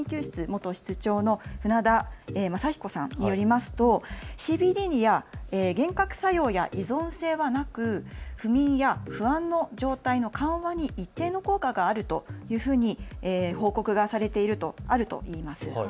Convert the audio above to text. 元室長の舩田正彦さんによりますとＣＢＤには幻覚作用や依存性はなく不眠や不安の状態の緩和に一定の効果があるというふうに報告があるといいます。